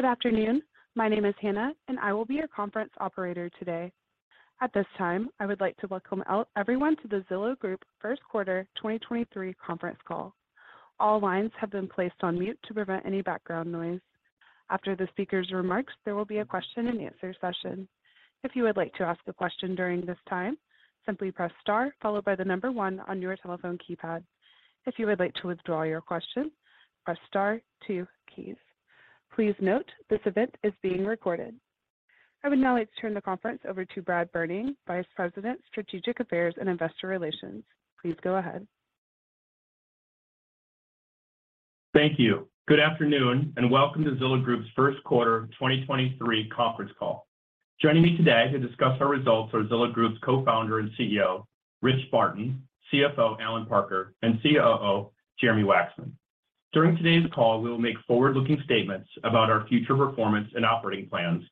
Good afternoon. My name is Hannah, and I will be your conference operator today. At this time, I would like to welcome out everyone to the Zillow Group First Quarter 2023 conference call. All lines have been placed on mute to prevent any background noise. After the speaker's remarks, there will be a question-and-answer session. If you would like to ask a question during this time, simply press star followed by 1 on your telephone keypad. If you would like to withdraw your question, press star 2 keys. Please note, this event is being recorded. I would now like to turn the conference over to Brad Berning, Vice President, Strategic Affairs and Investor Relations. Please go ahead. Thank you. Good afternoon, and welcome to Zillow Group's 1st quarter 2023 conference call. Joining me today to discuss our results are Zillow Group's Co-founder and CEO, Rich Barton, CFO, Allen Parker, and COO, Jeremy Wacksman. During today's call, we will make forward-looking statements about our future performance and operating plans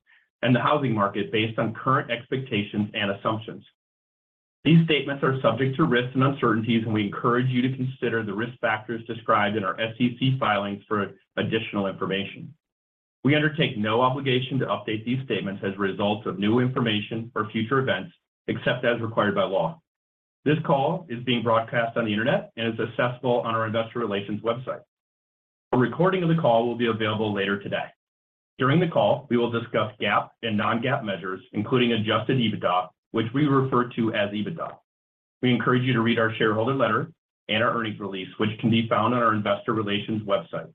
and the housing market based on current expectations and assumptions. These statements are subject to risks and uncertainties, and we encourage you to consider the risk factors described in our SEC filings for additional information. We undertake no obligation to update these statements as a result of new information or future events, except as required by law. This call is being broadcast on the Internet and is accessible on our investor relations website. A recording of the call will be available later today. During the call, we will discuss GAAP and non-GAAP measures, including adjusted EBITDA, which we refer to as EBITDA. We encourage you to read our shareholder letter and our earnings release, which can be found on our investor relations website,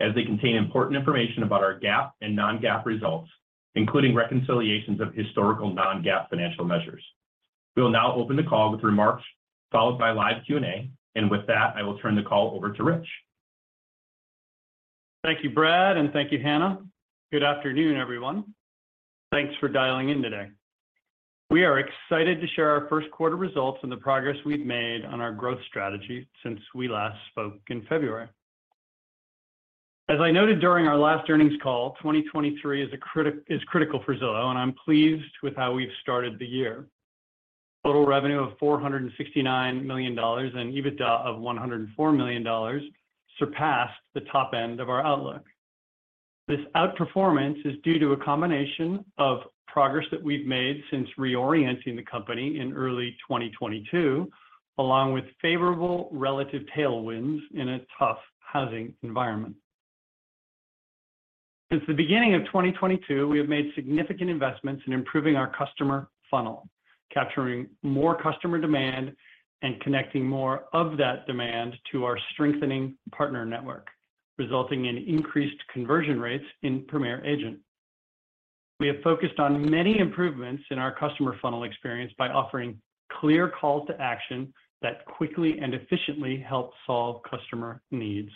as they contain important information about our GAAP and non-GAAP results, including reconciliations of historical non-GAAP financial measures. We will now open the call with remarks followed by live Q&A. With that, I will turn the call over to Rich. Thank you, Brad, and thank you, Hannah. Good afternoon, everyone. Thanks for dialing in today. We are excited to share our first quarter results and the progress we've made on our growth strategy since we last spoke in February. As I noted during our last earnings call, 2023 is critical for Zillow, and I'm pleased with how we've started the year. Total revenue of $469 million and EBITDA of $104 million surpassed the top end of our outlook. This outperformance is due to a combination of progress that we've made since reorienting the company in early 2022, along with favorable relative tailwinds in a tough housing environment. Since the beginning of 2022, we have made significant investments in improving our customer funnel, capturing more customer demand and connecting more of that demand to our strengthening partner network, resulting in increased conversion rates in Premier Agent. We have focused on many improvements in our customer funnel experience by offering clear call to action that quickly and efficiently help solve customer needs.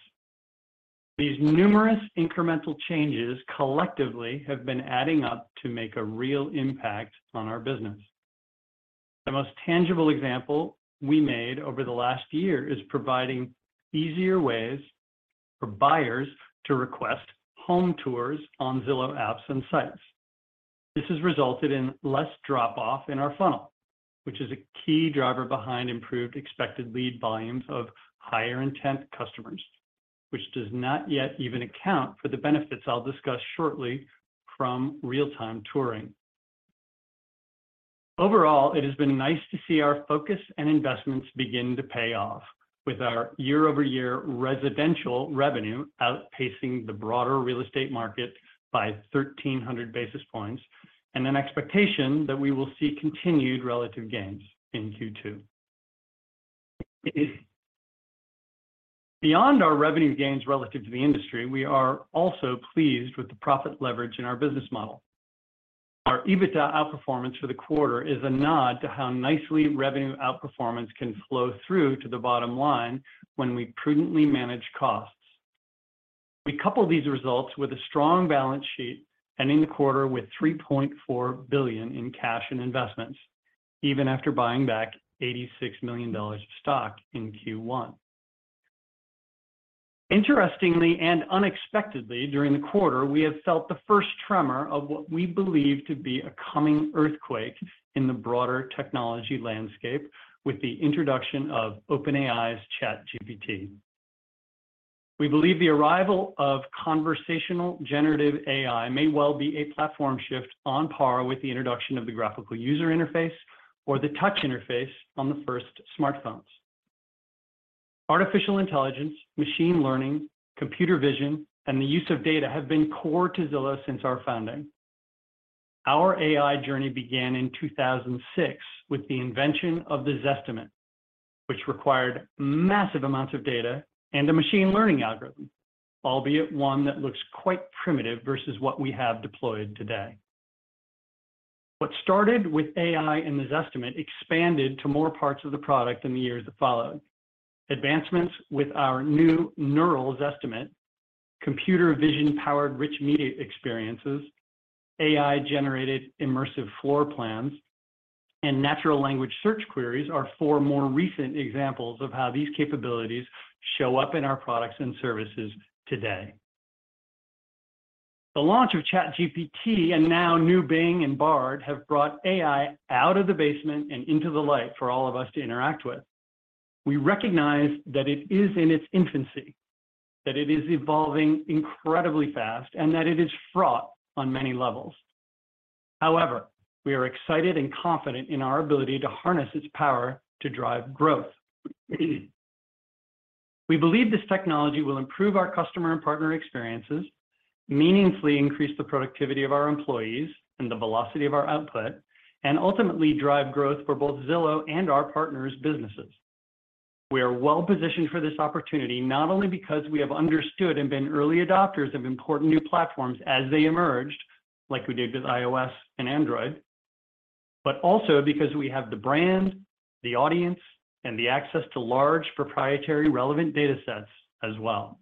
These numerous incremental changes collectively have been adding up to make a real impact on our business. The most tangible example we made over the last year is providing easier ways for buyers to request home tours on Zillow apps and sites. This has resulted in less drop-off in our funnel, which is a key driver behind improved expected lead volumes of higher intent customers, which does not yet even account for the benefits I'll discuss shortly from real-time touring. Overall, it has been nice to see our focus and investments begin to pay off with our year-over-year residential revenue outpacing the broader real estate market by 1,300 basis points and an expectation that we will see continued relative gains in Q2. Beyond our revenue gains relative to the industry, we are also pleased with the profit leverage in our business model. Our EBITDA outperformance for the quarter is a nod to how nicely revenue outperformance can flow through to the bottom line when we prudently manage costs. We couple these results with a strong balance sheet ending the quarter with $3.4 billion in cash and investments, even after buying back $86 million of stock in Q1. Interestingly, unexpectedly during the quarter, we have felt the first tremor of what we believe to be a coming earthquake in the broader technology landscape with the introduction of OpenAI's ChatGPT. We believe the arrival of conversational generative AI may well be a platform shift on par with the introduction of the graphical user interface or the touch interface on the first smartphones. Artificial intelligence, machine learning, computer vision, and the use of data have been core to Zillow since our founding. Our AI journey began in 2006 with the invention of the Zestimate, which required massive amounts of data and a machine learning algorithm, albeit one that looks quite primitive versus what we have deployed today. What started with AI and the Zestimate expanded to more parts of the product in the years that followed. Advancements with our new Neural Zestimate, computer vision-powered rich media experiences, AI-generated immersive floor plans, and natural language search queries are four more recent examples of how these capabilities show up in our products and services today. The launch of ChatGPT, and now new Bing and Bard, have brought AI out of the basement and into the light for all of us to interact with. We recognize that it is in its infancy, that it is evolving incredibly fast, and that it is fraught on many levels. We are excited and confident in our ability to harness its power to drive growth. We believe this technology will improve our customer and partner experiences, meaningfully increase the productivity of our employees and the velocity of our output, and ultimately drive growth for both Zillow and our partners' businesses. We are well-positioned for this opportunity not only because we have understood and been early adopters of important new platforms as they emerged, like we did with iOS and Android, but also because we have the brand, the audience, and the access to large proprietary relevant datasets as well.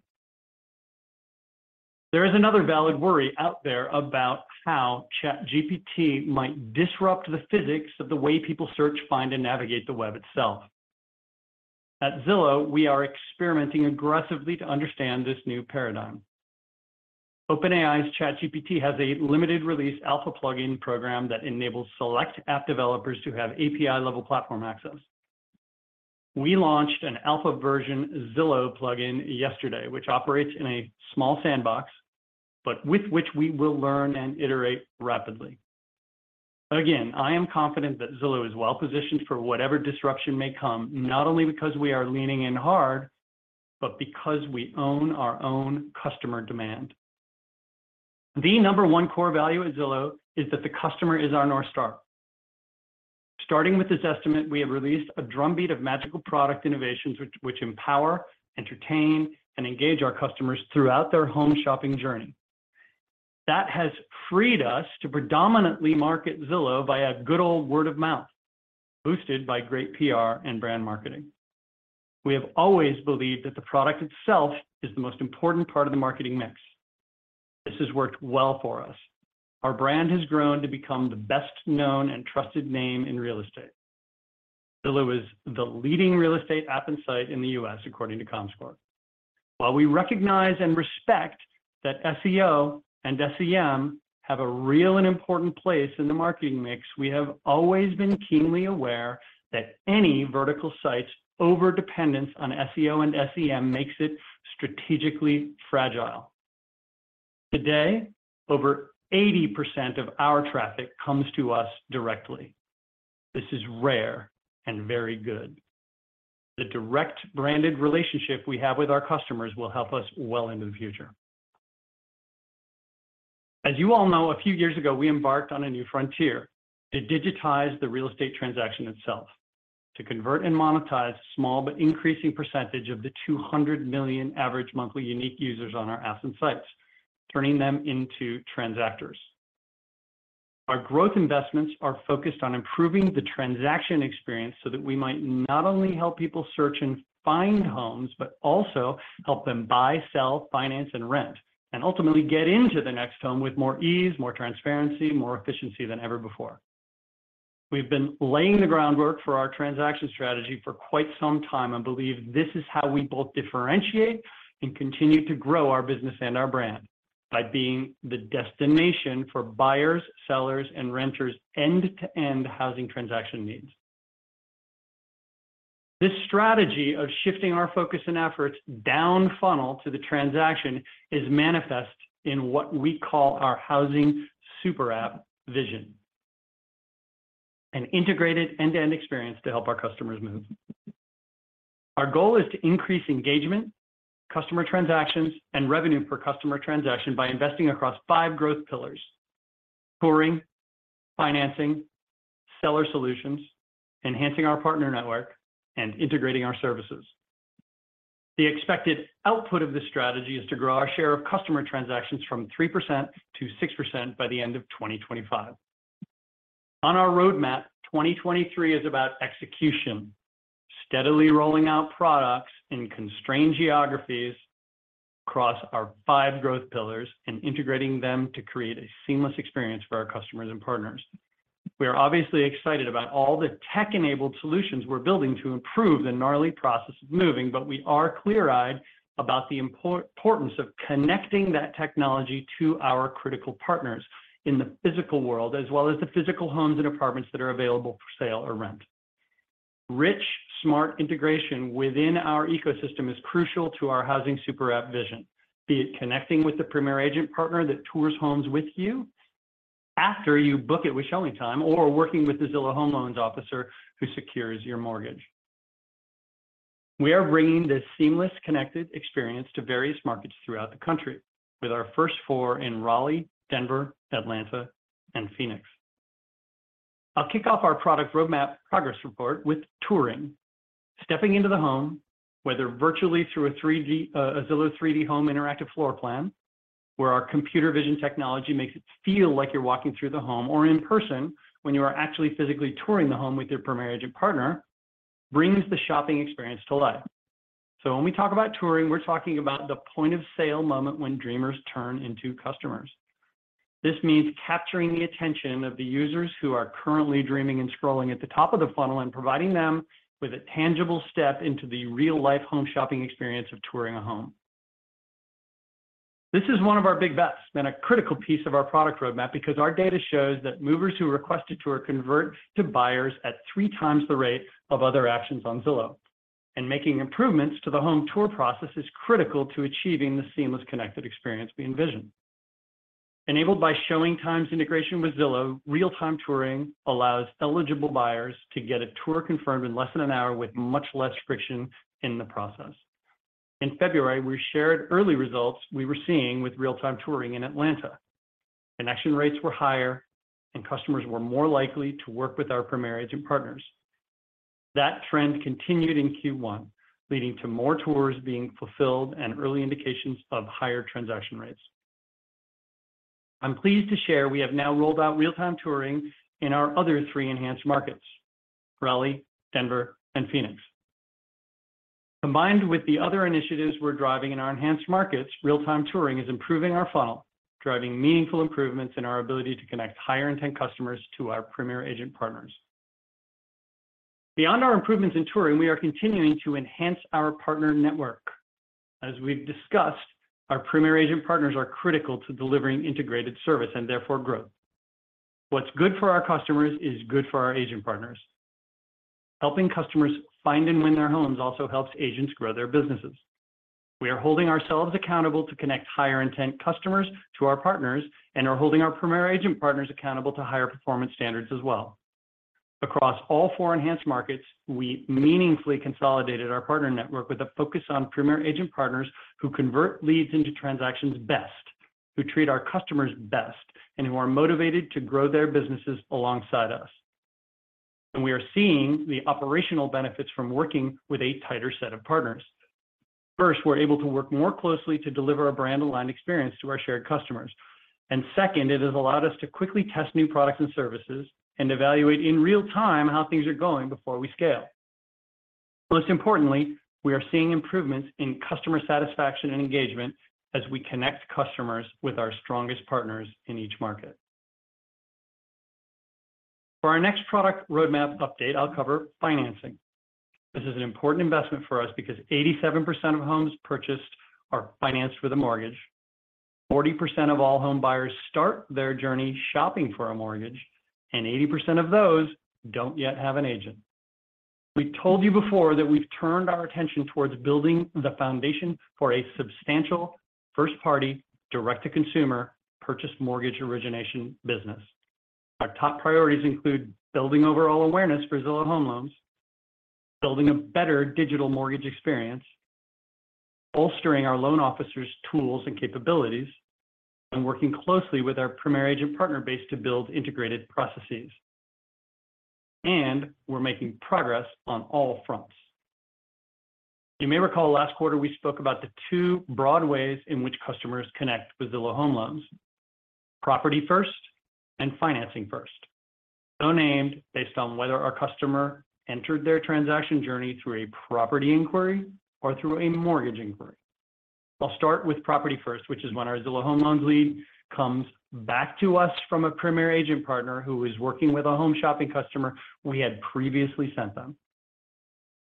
There is another valid worry out there about how ChatGPT might disrupt the physics of the way people search, find, and navigate the web itself. At Zillow, we are experimenting aggressively to understand this new paradigm. OpenAI's ChatGPT has a limited release alpha plugin program that enables select app developers to have API-level platform access. We launched an alpha version Zillow plugin yesterday, which operates in a small sandbox, but with which we will learn and iterate rapidly. Again, I am confident that Zillow is well-positioned for whatever disruption may come, not only because we are leaning in hard, but because we own our own customer demand. The number one core value at Zillow is that the customer is our North Star. Starting with Zestimate, we have released a drumbeat of magical product innovations which empower, entertain, and engage our customers throughout their home shopping journey. That has freed us to predominantly market Zillow by a good old word of mouth, boosted by great PR and brand marketing. We have always believed that the product itself is the most important part of the marketing mix. This has worked well for us. Our brand has grown to become the best-known and trusted name in real estate. Zillow is the leading real estate app and site in the U.S. according to Comscore. While we recognize and respect that SEO and SEM have a real and important place in the marketing mix, we have always been keenly aware that any vertical site's overdependence on SEO and SEM makes it strategically fragile. Today, over 80% of our traffic comes to us directly. This is rare and very good. The direct branded relationship we have with our customers will help us well into the future. As you all know, a few years ago, we embarked on a new frontier to digitize the real estate transaction itself, to convert and monetize small but increasing percentage of the 200 million average monthly unique users on our apps and sites, turning them into transactors. Our growth investments are focused on improving the transaction experience so that we might not only help people search and find homes, but also help them buy, sell, finance, and rent, and ultimately get into the next home with more ease, more transparency, more efficiency than ever before. We've been laying the groundwork for our transaction strategy for quite some time and believe this is how we both differentiate and continue to grow our business and our brand, by being the destination for buyers, sellers, and renters' end-to-end housing transaction needs. This strategy of shifting our focus and efforts down funnel to the transaction is manifest in what we call our Housing Superapp vision, an integrated end-to-end experience to help our customers move. Our goal is to increase engagement, customer transactions, and revenue per customer transaction by investing across five growth pillars: touring, financing, seller solutions, enhancing our partner network, and integrating our services. The expected output of this strategy is to grow our share of customer transactions from 3% to 6% by the end of 2025. On our roadmap, 2023 is about execution, steadily rolling out products in constrained geographies across our five growth pillars and integrating them to create a seamless experience for our customers and partners. We are obviously excited about all the tech-enabled solutions we're building to improve the gnarly process of moving, we are clear-eyed about the importance of connecting that technology to our critical partners in the physical world, as well as the physical homes and apartments that are available for sale or rent. Rich, smart integration within our ecosystem is crucial to our housing super app vision, be it connecting with the Premier Agent partner that tours homes with you after you book it with ShowingTime, or working with the Zillow Home Loans officer who secures your mortgage. We are bringing this seamless, connected experience to various markets throughout the country with our first four in Raleigh, Denver, Atlanta, and Phoenix. I'll kick off our product roadmap progress report with touring. Stepping into the home, whether virtually through a Zillow's 3D Home interactive floor plan, where our computer vision technology makes it feel like you're walking through the home, or in person, when you are actually physically touring the home with your Premier Agent partner, brings the shopping experience to life. When we talk about touring, we're talking about the point-of-sale moment when dreamers turn into customers. This means capturing the attention of the users who are currently dreaming and scrolling at the top of the funnel and providing them with a tangible step into the real-life home shopping experience of touring a home. This is one of our big bets and a critical piece of our product roadmap because our data shows that movers who request a tour convert to buyers at 3 times the rate of other actions on Zillow. Making improvements to the home tour process is critical to achieving the seamless connected experience we envision. Enabled by Showing times integration with Zillow, real-time touring allows eligible buyers to get a tour confirmed in less than an hour with much less friction in the process. In February, we shared early results we were seeing with real-time touring in Atlanta. Connection rates were higher, and customers were more likely to work with our Premier Agent partners. That trend continued in Q1, leading to more tours being fulfilled and early indications of higher transaction rates. I'm pleased to share we have now rolled out real-time touring in our other three enhanced markets, Raleigh, Denver, and Phoenix. Combined with the other initiatives we're driving in our enhanced markets, real-time touring is improving our funnel, driving meaningful improvements in our ability to connect higher-intent customers to our Premier Agent partners. Beyond our improvements in touring, we are continuing to enhance our partner network. As we've discussed, our Premier Agent partners are critical to delivering integrated service and therefore growth. What's good for our customers is good for our agent partners. Helping customers find and win their homes also helps agents grow their businesses. We are holding ourselves accountable to connect higher-intent customers to our partners and are holding our Premier Agent partners accountable to higher performance standards as well. Across all 4 enhanced markets, we meaningfully consolidated our partner network with a focus on Premier Agent partners who convert leads into transactions best, who treat our customers best, and who are motivated to grow their businesses alongside us. We are seeing the operational benefits from working with a tighter set of partners. First, we're able to work more closely to deliver a brand-aligned experience to our shared customers. Second, it has allowed us to quickly test new products and services and evaluate in real time how things are going before we scale. Most importantly, we are seeing improvements in customer satisfaction and engagement as we connect customers with our strongest partners in each market. For our next product roadmap update, I'll cover financing. This is an important investment for us because 87% of homes purchased are financed with a mortgage. 40% of all home buyers start their journey shopping for a mortgage. 80% of those don't yet have an agent. We told you before that we've turned our attention towards building the foundation for a substantial first-party, direct-to-consumer purchase mortgage origination business. Our top priorities include building overall awareness for Zillow Home Loans, building a better digital mortgage experience, bolstering our loan officers' tools and capabilities, and working closely with our Premier Agent partner base to build integrated processes. We're making progress on all fronts. You may recall last quarter we spoke about the two broad ways in which customers connect with Zillow Home Loans, property first and financing first. `Named based on whether our customer entered their transaction journey through a property inquiry or through a mortgage inquiry. I'll start with property first, which is when our Zillow Home Loans lead comes back to us from a Premier Agent partner who is working with a home shopping customer we had previously sent them.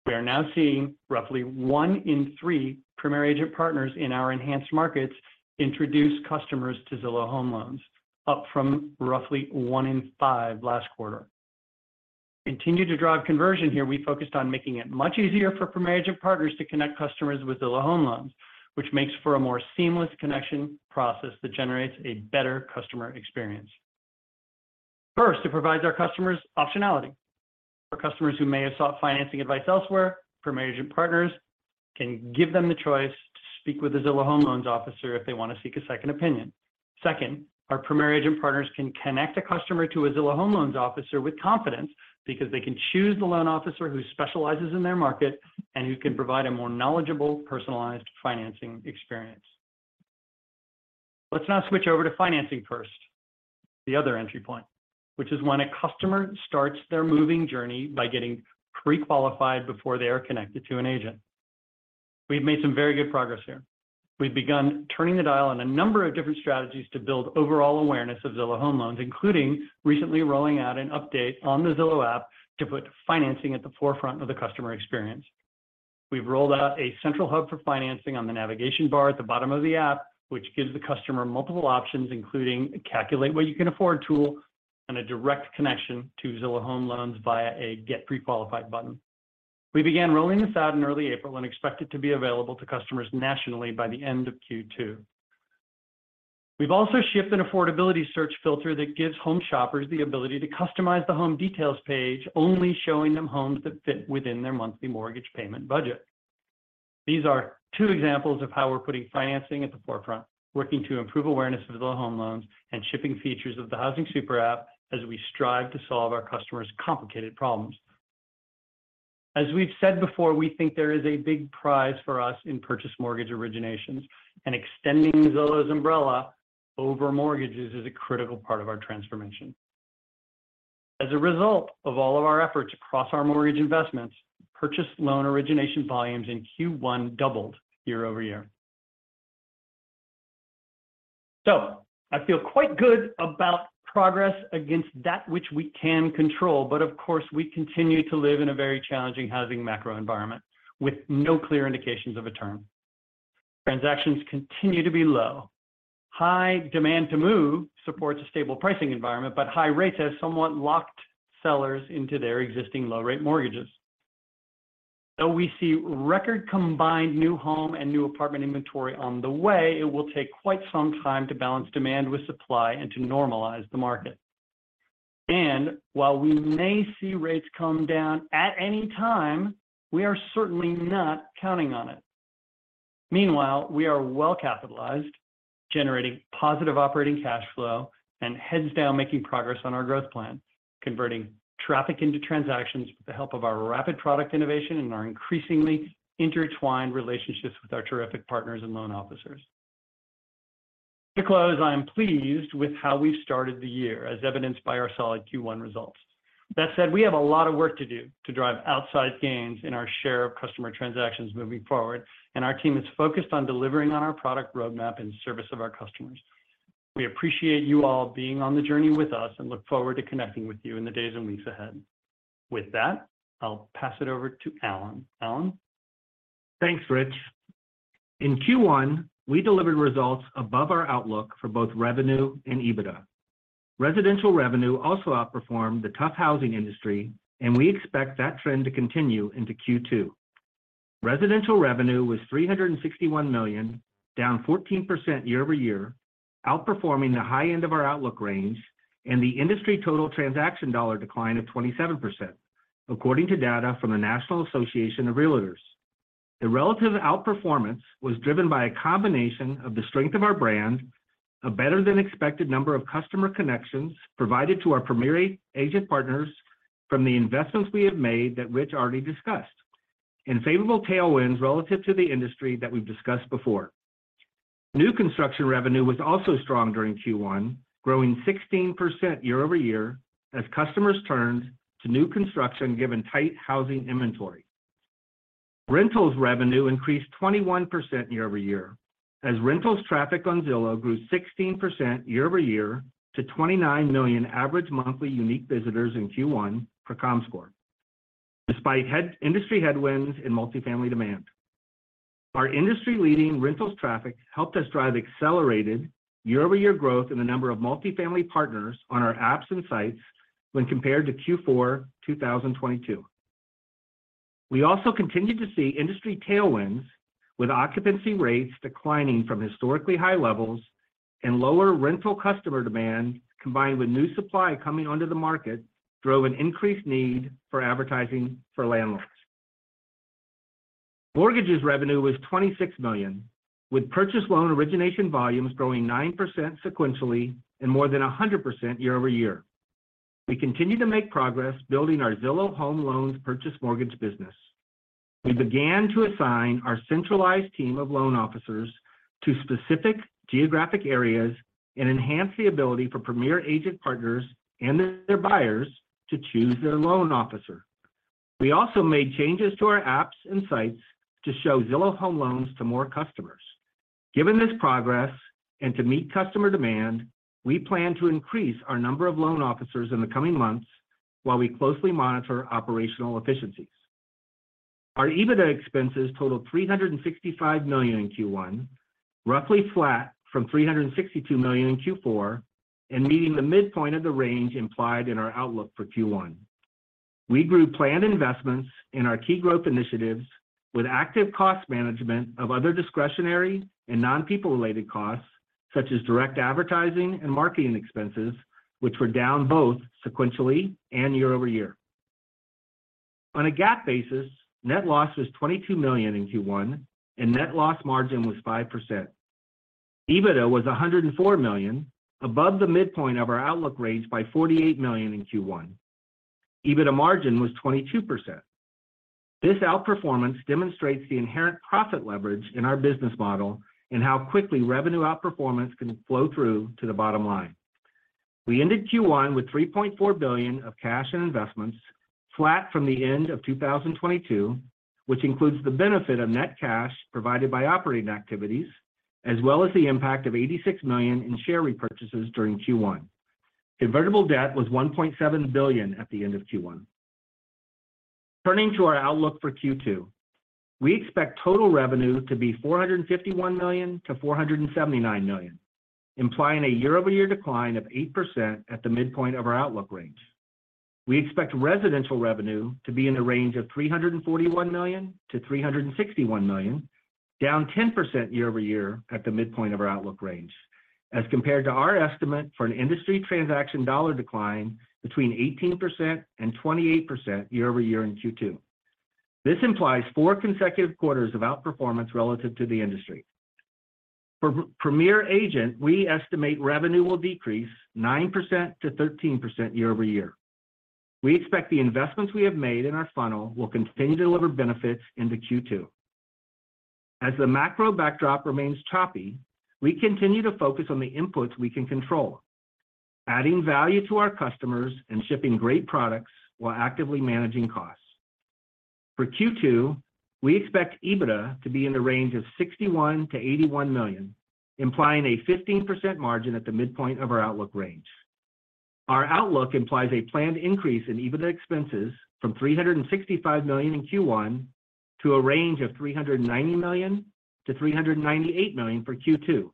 We are now seeing roughly 1 in 3 Premier Agent partners in our enhanced markets introduce customers to Zillow Home Loans, up from roughly 1 in 5 last quarter. Continue to drive conversion here, we focused on making it much easier for Premier Agent partners to connect customers with Zillow Home Loans, which makes for a more seamless connection process that generates a better customer experience. First, it provides our customers optionality. For customers who may have sought financing advice elsewhere, Premier Agent partners can give them the choice to speak with a Zillow Home Loans officer if they want to seek a second opinion. Second, our Premier Agent partners can connect a customer to a Zillow Home Loans officer with confidence because they can choose the loan officer who specializes in their market and who can provide a more knowledgeable, personalized financing experience. Let's now switch over to financing first, the other entry point, which is when a customer starts their moving journey by getting pre-qualified before they are connected to an agent. We've made some very good progress here. We've begun turning the dial on a number of different strategies to build overall awareness of Zillow Home Loans, including recently rolling out an update on the Zillow app to put financing at the forefront of the customer experience. We've rolled out a central hub for financing on the navigation bar at the bottom of the app, which gives the customer multiple options, including a calculate what you can afford tool and a direct connection to Zillow Home Loans via a get pre-qualified button. We began rolling this out in early April and expect it to be available to customers nationally by the end of Q2. We've also shipped an affordability search filter that gives home shoppers the ability to customize the home details page, only showing them homes that fit within their monthly mortgage payment budget. These are two examples of how we're putting financing at the forefront, working to improve awareness of Zillow Home Loans, and shipping features of the housing super app as we strive to solve our customers' complicated problems. As we've said before, we think there is a big prize for us in purchase mortgage originations, and extending Zillow's umbrella over mortgages is a critical part of our transformation. As a result of all of our efforts across our mortgage investments, purchase loan origination volumes in Q1 doubled year-over-year. I feel quite good about progress against that which we can control. Of course, we continue to live in a very challenging housing macro environment with no clear indications of a turn. Transactions continue to be low. High demand to move supports a stable pricing environment, but high rates have somewhat locked sellers into their existing low rate mortgages. Though we see record combined new home and new apartment inventory on the way, it will take quite some time to balance demand with supply and to normalize the market. While we may see rates come down at any time, we are certainly not counting on it. Meanwhile, we are well capitalized, generating positive operating cash flow and heads down, making progress on our growth plan, converting traffic into transactions with the help of our rapid product innovation and our increasingly intertwined relationships with our terrific partners and loan officers. To close, I am pleased with how we started the year as evidenced by our solid Q1 results. That said, we have a lot of work to do to drive outsized gains in our share of customer transactions moving forward, and our team is focused on delivering on our product roadmap in service of our customers. We appreciate you all being on the journey with us and look forward to connecting with you in the days and weeks ahead. With that, I'll pass it over to Allen. Allen. Thanks, Rich. In Q1, we delivered results above our outlook for both revenue and EBITDA. Residential revenue also outperformed the tough housing industry, and we expect that trend to continue into Q2. Residential revenue was $361 million, down 14% year-over-year, outperforming the high end of our outlook range and the industry total transaction dollar decline of 27%, according to data from the National Association of Realtors. The relative outperformance was driven by a combination of the strength of our brand, a better-than-expected number of customer connections provided to our Premier Agent partners from the investments we have made that Rich already discussed, and favorable tailwinds relative to the industry that we've discussed before. New construction revenue was also strong during Q1, growing 16% year-over-year as customers turned to new construction given tight housing inventory. Rentals revenue increased 21% year-over-year as rentals traffic on Zillow grew 16% year-over-year to $29 million average monthly unique visitors in Q1 per Comscore. Despite industry headwinds in multifamily demand, our industry-leading rentals traffic helped us drive accelerated year-over-year growth in the number of multifamily partners on our apps and sites when compared to Q4 2022. We also continued to see industry tailwinds, with occupancy rates declining from historically high levels and lower rental customer demand, combined with new supply coming onto the market, drove an increased need for advertising for landlords. Mortgages revenue was $26 million, with purchase loan origination volumes growing 9% sequentially and more than 100% year-over-year. We continue to make progress building our Zillow Home Loans purchase mortgage business. We began to assign our centralized team of loan officers to specific geographic areas and enhance the ability for Premier Agent partners and their buyers to choose their loan officer. We also made changes to our apps and sites to show Zillow Home Loans to more customers. Given this progress and to meet customer demand, we plan to increase our number of loan officers in the coming months while we closely monitor operational efficiencies. Our EBITDA expenses totaled $365 million in Q1, roughly flat from $362 million in Q4, and meeting the midpoint of the range implied in our outlook for Q1. We grew planned investments in our key growth initiatives with active cost management of other discretionary and non-people-related costs, such as direct advertising and marketing expenses, which were down both sequentially and year-over-year. On a GAAP basis, net loss was $22 million in Q1 and net loss margin was 5%. EBITDA was $104 million above the midpoint of our outlook range by $48 million in Q1. EBITDA margin was 22%. This outperformance demonstrates the inherent profit leverage in our business model and how quickly revenue outperformance can flow through to the bottom line. We ended Q1 with $3.4 billion of cash and investments, flat from the end of 2022, which includes the benefit of net cash provided by operating activities, as well as the impact of $86 million in share repurchases during Q1. Convertible debt was $1.7 billion at the end of Q1. Turning to our outlook for Q2, we expect total revenue to be $451 million to $479 million, implying a year-over-year decline of 8% at the midpoint of our outlook range. We expect residential revenue to be in the range of $341 million to $361 million, down 10% year-over-year at the midpoint of our outlook range as compared to our estimate for an industry transaction dollar decline between 18% and 28% year-over-year in Q2. This implies four consecutive quarters of outperformance relative to the industry. For Premier Agent, we estimate revenue will decrease 9% to 13% year-over-year. We expect the investments we have made in our funnel will continue to deliver benefits into Q2. As the macro backdrop remains choppy, we continue to focus on the inputs we can control, adding value to our customers, and shipping great products while actively managing costs. For Q2, we expect EBITDA to be in the range of $61 million-$81 million, implying a 15% margin at the midpoint of our outlook range. Our outlook implies a planned increase in EBITDA expenses from $365 million in Q1 to a range of $390 million-$398 million for Q2,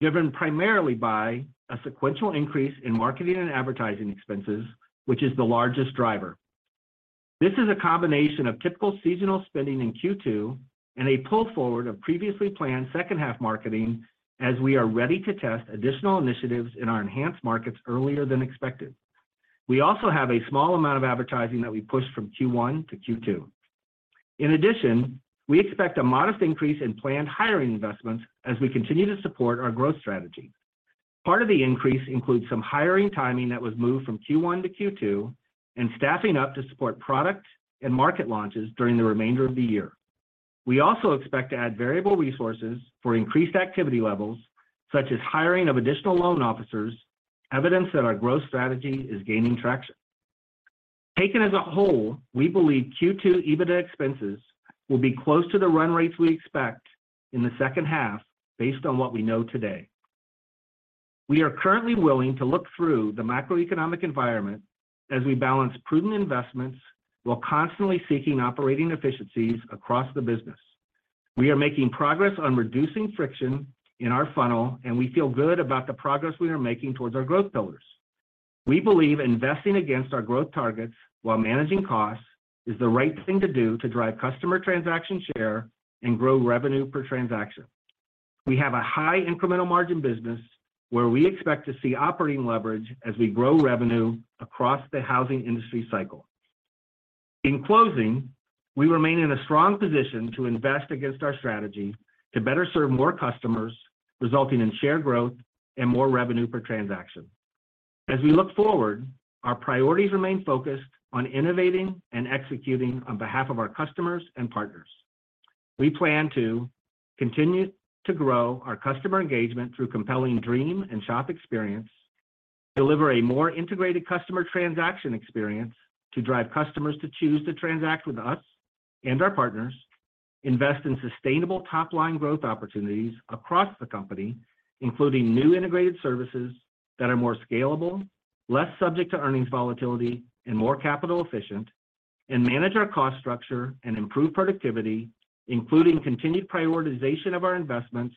driven primarily by a sequential increase in marketing and advertising expenses, which is the largest driver. This is a combination of typical seasonal spending in Q2 and a pull forward of previously planned second half marketing as we are ready to test additional initiatives in our enhanced markets earlier than expected. We also have a small amount of advertising that we pushed from Q1 to Q2. In addition, we expect a modest increase in planned hiring investments as we continue to support our growth strategy. Part of the increase includes some hiring timing that was moved from Q1 to Q2 and staffing up to support product and market launches during the remainder of the year. We also expect to add variable resources for increased activity levels, such as hiring of additional loan officers, evidence that our growth strategy is gaining traction. Taken as a whole, we believe Q2 EBITDA expenses will be close to the run rates we expect in the second half based on what we know today. We are currently willing to look through the macroeconomic environment as we balance prudent investments while constantly seeking operating efficiencies across the business. We are making progress on reducing friction in our funnel, and we feel good about the progress we are making towards our growth pillars. We believe investing against our growth targets while managing costs is the right thing to do to drive customer transaction share and grow revenue per transaction. We have a high incremental margin business where we expect to see operating leverage as we grow revenue across the housing industry cycle. In closing, we remain in a strong position to invest against our strategy to better serve more customers, resulting in share growth and more revenue per transaction. As we look forward, our priorities remain focused on innovating and executing on behalf of our customers and partners. We plan to continue to grow our customer engagement through compelling dream and shop experience, deliver a more integrated customer transaction experience to drive customers to choose to transact with us and our partners, invest in sustainable top-line growth opportunities across the company, including new integrated services that are more scalable, less subject to earnings volatility, and more capital efficient, and manage our cost structure and improve productivity, including continued prioritization of our investments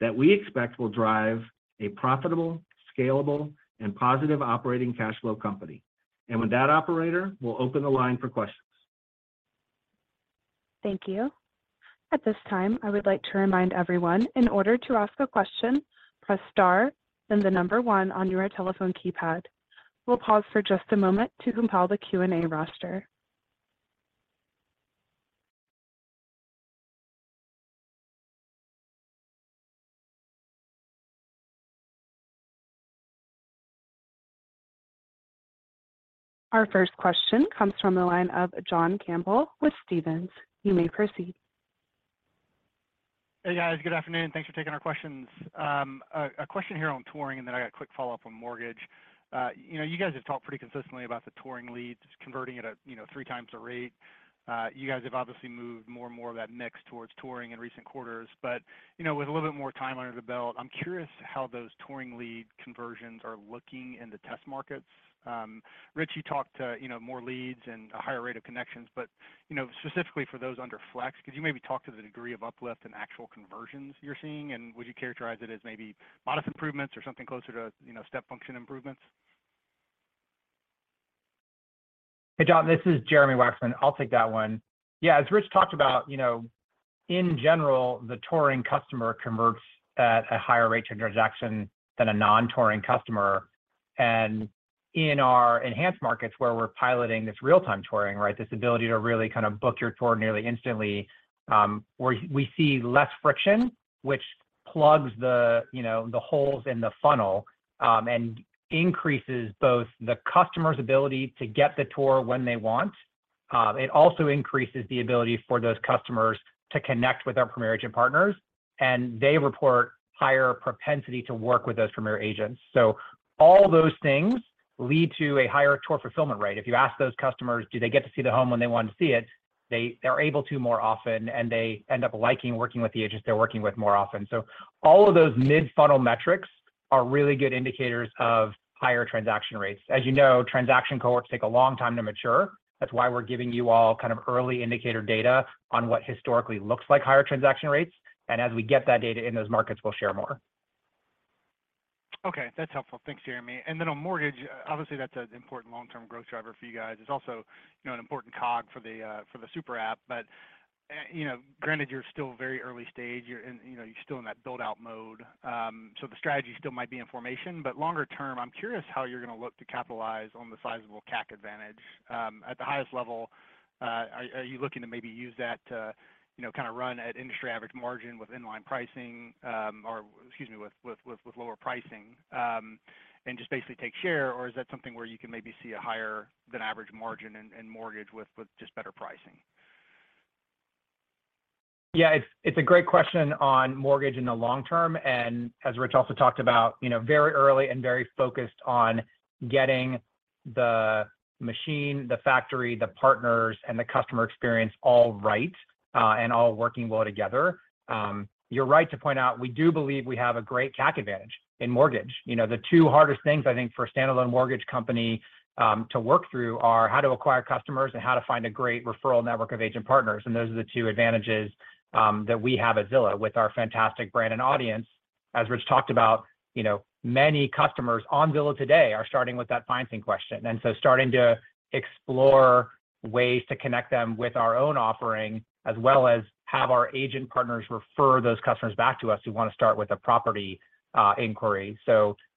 that we expect will drive a profitable, scalable and positive operating cash flow company. With that, operator, we'll open the line for questions. Thank you. At this time, I would like to remind everyone in order to ask a question, press star, then the number 1 on your telephone keypad. We'll pause for just a moment to compile the Q&A roster. Our first question comes from the line of John Campbell with Stephens. You may proceed. Hey, guys. Good afternoon. Thanks for taking our questions. A question here on touring, and then I got a quick follow-up on mortgage. You guys have talked pretty consistently about the touring leads converting at, 3 times the rate. You guys have obviously moved more and more of that mix towards touring in recent quarters. With a little bit more time under the belt, I'm curious how those touring lead conversions are looking in the test markets. Rich, you talked to more leads and a higher rate of connections. Specifically for those under Flex, could you maybe talk to the degree of uplift and actual conversions you're seeing? Would you characterize it as maybe modest improvements or something closer to, step function improvements? Hey, John, this is Jeremy Wacksman. I'll take that one. Yeah. As Rich talked about, in general, the touring customer converts at a higher rate to transaction than a non-touring customer. In our enhanced markets where we're piloting this real-time touring, right, this ability to really kind of book your tour nearly instantly, where we see less friction, which plugs the holes in the funnel, and increases both the customer's ability to get the tour when they want. It also increases the ability for those customers to connect with our Premier Agent partners, and they report higher propensity to work with those Premier Agents. All those things lead to a higher tour fulfillment rate. If you ask those customers, do they get to see the home when they want to see it? They're able to more often, and they end up liking working with the agents they're working with more often. All of those mid-funnel metrics are really good indicators of higher transaction rates. Asyou know, transaction cohorts take a long time to mature. That's why we're giving you all kind of early indicator data on what historically looks like higher transaction rates. As we get that data in those markets, we'll share more. Okay. That's helpful. Thanks, Jeremy. On mortgage, obviously that's an important long-term growth driver for you guys. It's also, an important cog for the for the super app. Granted, you're still very early stage., you're still in that build-out mode. The strategy still might be in formation. Longer term, I'm curious how you're going to look to capitalize on the sizable CAC advantage. At the highest level, are you looking to maybe use that to, kind of run at industry average margin with inline pricing, or excuse me, with, with lower pricing, and just basically take share? Is that something where you can maybe see a higher than average margin in mortgage with just better pricing? Yeah, it's a great question on mortgage in the long term. As Rich also talked about, very early and very focused on getting the machine, the factory, the partners, and the customer experience all right, and all working well together. You're right to point out we do believe we have a great CAC advantage in mortgage. The two hardest things, I think, for a standalone mortgage company to work through are how to acquire customers and how to find a great referral network of agent partners. Those are the two advantages that we have at Zillow with our fantastic brand and audience. As Rich talked about, many customers on Zillow today are starting with that financing question. Starting to explore ways to connect them with our own offering as well as have our agent partners refer those customers back to us who wanna start with a property inquiry.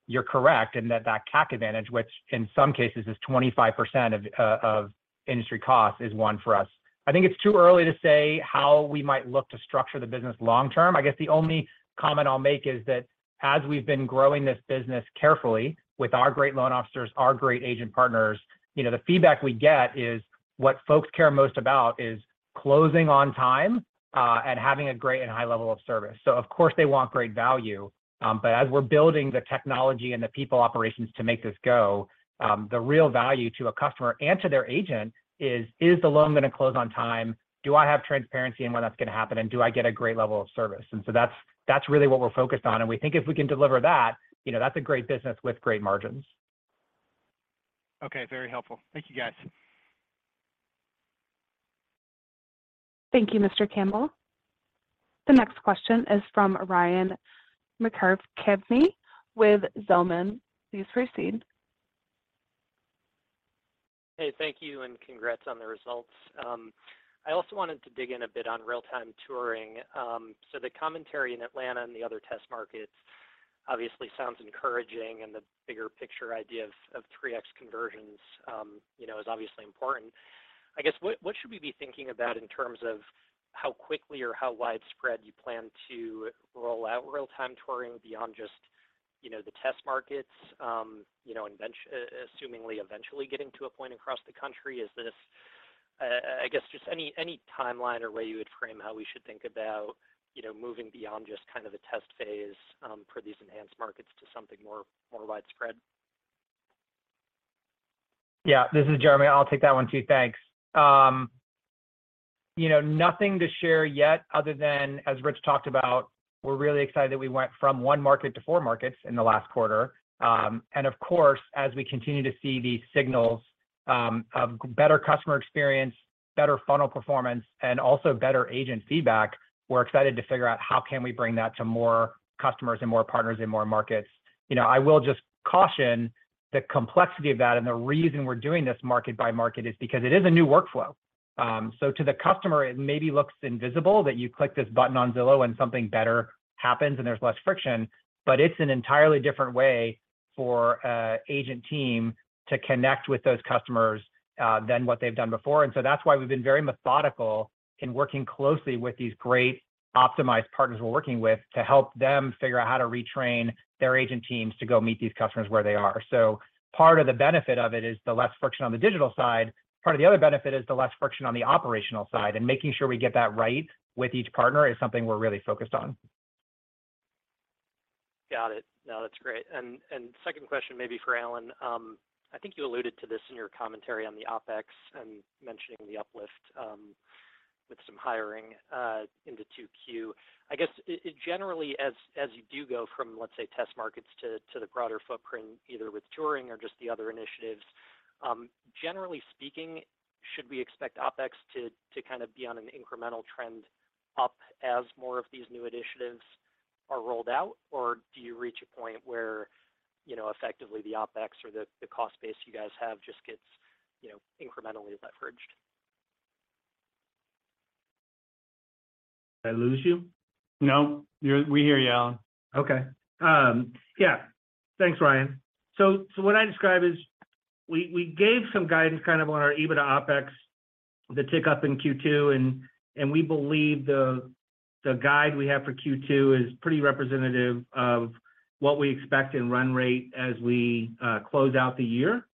You're correct in that that CAC advantage, which in some cases is 25% of industry cost, is one for us. I think it's too early to say how we might look to structure the business long term. I guess the only comment I'll make is that as we've been growing this business carefully with our great loan officers, our great agent partners, the feedback we get is what folks care most about is closing on time and having a great and high level of service. Of course, they want great value, but as we're building the technology and the people operations to make this go, the real value to a customer and to their agent is the loan gonna close on time? Do I have transparency in when that's gonna happen, and do I get a great level of service? That's really what we're focused on. We think if we can deliver that, that's a great business with great margins. Okay, very helpful. Thank you, guys. Thank you, Mr. Campbell. The next question is from Ryan McKeveny with Zelman. Please proceed. Hey, thank you, and congrats on the results. I also wanted to dig in a bit on real-time touring. The commentary in Atlanta and the other test markets obviously sounds encouraging, and the bigger picture idea of 3x conversions, is obviously important. I guess, what should we be thinking about in terms of how quickly or how widespread you plan to roll out real-time touring beyond just, the test markets, eventually getting to a point across the country? Is this? I guess just any timeline or way you would frame how we should think about, moving beyond just kind of the test phase for these enhanced markets to something more widespread? This is Jeremy. I'll take that one too. Thanks. Nothing to share yet other than, as Rich talked about, we're really excited that we went from 1 market to 4 markets in the last quarter. Of course, as we continue to see these signals, of better customer experience, better funnel performance, and also better agent feedback, we're excited to figure out how can we bring that to more customers and more partners in more markets. I will just caution the complexity of that and the reason we're doing this market by market is because it is a new workflow. To the customer, it maybe looks invisible that you click this button on Zillow, and something better happens, and there's less friction, but it's an entirely different way for agent team to connect with those customers than what they've done before. That's why we've been very methodical in working closely with these great optimized partners we're working with to help them figure out how to retrain their agent teams to go meet these customers where they are. Part of the benefit of it is the less friction on the digital side. Part of the other benefit is the less friction on the operational side. Making sure we get that right with each partner is something we're really focused on. Got it. No, that's great. Second question may be for Allen. I think you alluded to this in your commentary on the OpEx and mentioning the uplift with some hiring into 2Q. I guess, generally, as you do go from, let's say, test markets to the broader footprint, either with touring or just the other initiatives, generally speaking, should we expect OpEx to kind of be on an incremental trend up as more of these new initiatives are rolled out? Or do you reach a point where, effectively the OpEx or the cost base you guys have just gets, incrementally leveraged? Did I lose you? No. We hear you, Allen. Okay. Yeah. Thanks, Ryan. What I describe is we gave some guidance kind of on our EBITDA OpEx, the tick-up in Q2, and we believe the guide we have for Q2 is pretty representative of what we expect in run rate as we close out the year.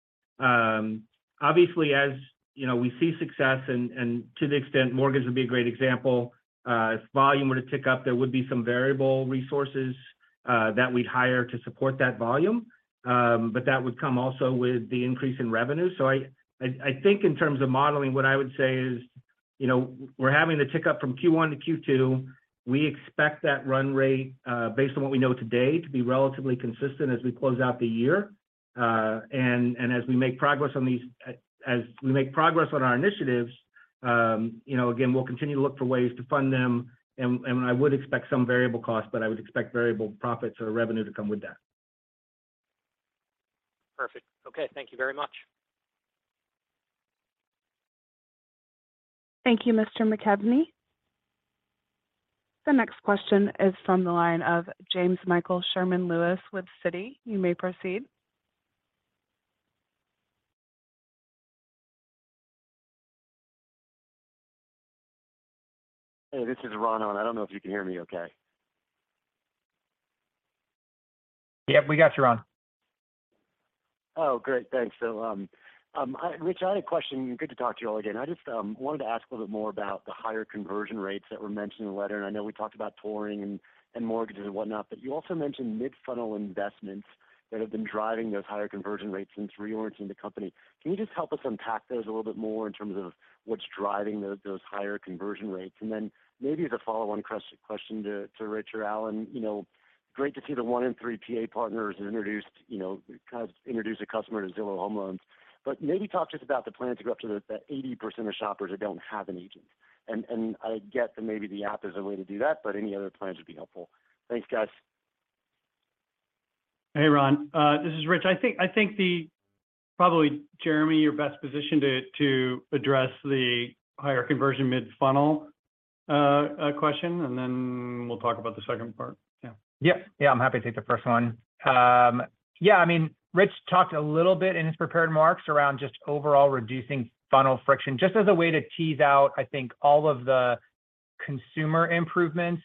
Obviously, as, we see success, and to the extent mortgage would be a great example. If volume were to tick up, there would be some variable resources that we'd hire to support that volume. That would come also with the increase in revenue. I think in terms of modeling, what I would say is, we're having the tick-up from Q1 to Q2. We expect that run rate, based on what we know today, to be relatively consistent as we close out the year. As we make progress on our initiatives, again, we'll continue to look for ways to fund them and I would expect some variable costs, but I would expect variable profits or revenue to come with that. Perfect. Okay, thank you very much. Thank you, Mr. McKeveny. The next question is from the line of James Michael Sherman-Lewis with Citi. You may proceed. Hey, this is Ron, and I don't know if you can hear me okay. Yep, we got you, Ron. Great. Thanks. Rich, I had a question. Good to talk to you all again. I just wanted to ask a little bit more about the higher conversion rates that were mentioned in the letter. I know we talked about touring and mortgages and whatnot, but you also mentioned mid-funnel investments that have been driving those higher conversion rates since reorienting the company. Can you just help us unpack those a little bit more in terms of what's driving those higher conversion rates? Maybe the follow-on question to Rich or Allen, great to see the 1 in 3 PA partners introduced, kind of introduce a customer to Zillow Home Loans. Maybe talk to us about the plan to go up to the 80% of shoppers that don't have an agent. I get that maybe the app is a way to do that, but any other plans would be helpful. Thanks, guys. Hey, Ron. This is Rich. I think Probably Jeremy, you're best positioned to address the higher conversion mid-funnel question, and then we'll talk about the second part. Yeah. I'm happy to take the first one. Yeah, I mean, Rich talked a little bit in his prepared remarks around just overall reducing funnel friction. Just as a way to tease out, I think all of the consumer improvements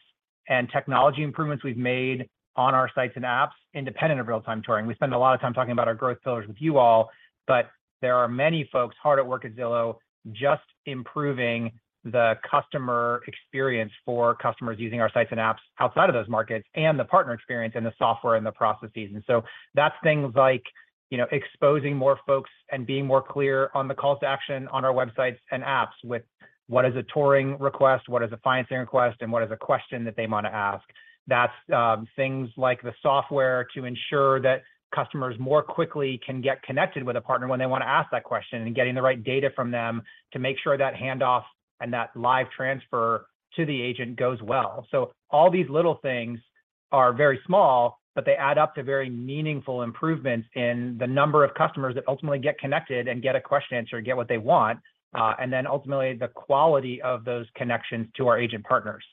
and technology improvements we've made on our sites and apps independent of real-time touring. We spend a lot of time talking about our growth pillars with you all, but there are many folks hard at work at Zillow just improving the customer experience for customers using our sites and apps outside of those markets and the partner experience and the software and the processes. That's things like, exposing more folks and being more clear on the calls to action on our websites and apps with what is a touring request, what is a financing request, and what is a question that they wanna ask. That's things like the software to ensure that customers more quickly can get connected with a partner when they wanna ask that question and getting the right data from them to make sure that handoff and that live transfer to the agent goes well. All these little things are very small, but they add up to very meaningful improvements in the number of customers that ultimately get connected and get a question answered, get what they want, and then ultimately the quality of those connections to our agent partners.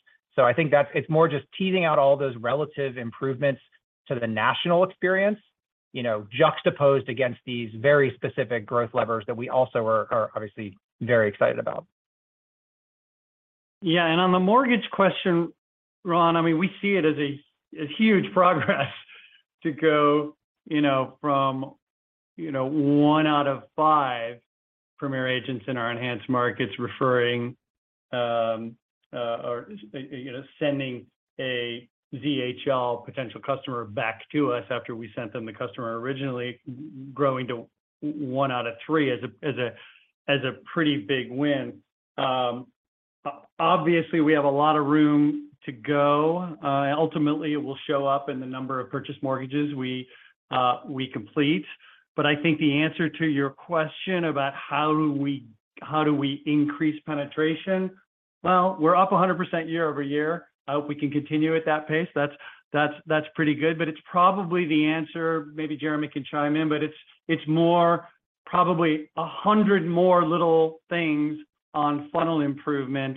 I think it's more just teasing out all those relative improvements to the national experience, juxtaposed against these very specific growth levers that we also are obviously very excited about. Yeah. On the mortgage question, Ron, I mean, we see it as huge progress to go, from, 1 out of 5 Premier Agents in our enhanced markets referring, or, sending a ZHL potential customer back to us after we sent them the customer originally growing to 1 out of 3 as a pretty big win. Obviously, we have a lot of room to go. Ultimately, it will show up in the number of purchase mortgages we complete. I think the answer to your question about how do we increase penetration, well, we're up 100% year-over-year. I hope we can continue at that pace. That's pretty good. It's probably the answer, maybe Jeremy can chime in, but it's more probably 100 more little things on funnel improvement,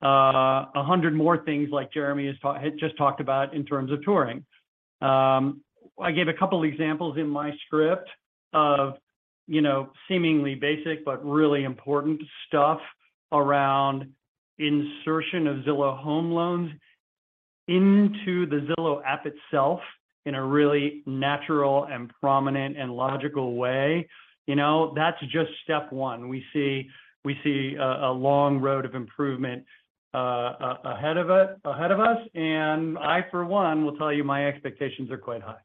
100 more things like Jeremy had just talked about in terms of touring. I gave a couple examples in my script of, seemingly basic but really important stuff around insertion of Zillow Home Loans into the Zillow app itself in a really natural and prominent and logical way. That's just step one. We see a long road of improvement ahead of us, and I, for one, will tell you my expectations are quite high.